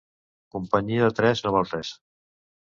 Companyia de tres no val res.